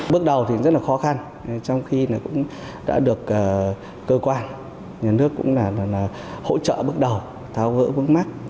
bước đầu thì rất là khó khăn trong khi cũng đã được cơ quan nhà nước cũng là hỗ trợ bước đầu tháo gỡ vướng mắt